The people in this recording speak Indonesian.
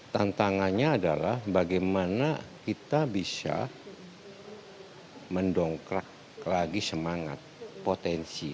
tantangannya adalah bagaimana kita bisa mendongkrak lagi semangat potensi